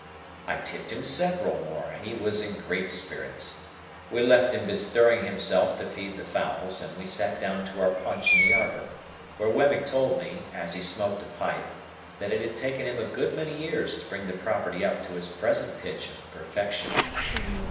I tipped him several more, and he was in great spirits. We left him bestirring himself to feed the fowls, and we sat down to our punch in the arbour; where Wemmick told me, as he smoked a pipe, that it had taken him a good many years to bring the property up to its present pitch of perfection.